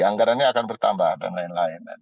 anggarannya akan bertambah dan lain lain